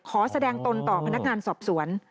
แสดงตนต่อพนักงานสอบสวน